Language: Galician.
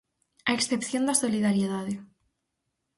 A excepción da solidariedade.